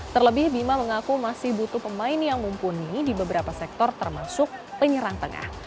terlebih bima mengaku masih butuh pemain yang mumpuni di beberapa sektor termasuk penyerang tengah